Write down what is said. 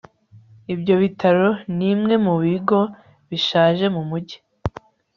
ibyo bitaro nimwe mubigo bishaje mumujyi